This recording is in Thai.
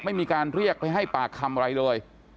ไม่มีการเรียกไปให้ปากคำอะไรเลย